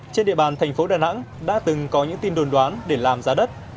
trên địa bàn thành phố đà nẵng đã từng có những tin đồn đoán để làm giá đất